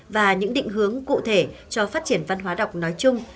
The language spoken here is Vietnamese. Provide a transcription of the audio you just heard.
và những định hướng cụ thể cho phát triển văn hóa đọc nói chung